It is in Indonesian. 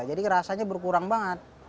jadi rasanya berkurang banget